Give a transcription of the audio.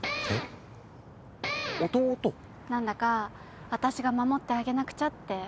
何だか私が守ってあげなくちゃって思うんだよね。